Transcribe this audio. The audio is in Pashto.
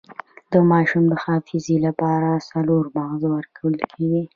د ماشوم د حافظې لپاره څلور مغز ورکړئ